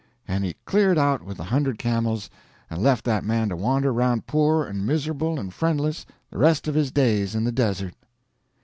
And he cleared out with the hundred camels, and left that man to wander around poor and miserable and friendless the rest of his days in the Desert.